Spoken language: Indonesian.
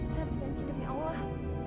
saya berjanji demi allah